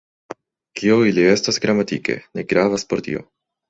Kio ili estas gramatike, ne gravas por tio.